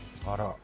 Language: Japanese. あら。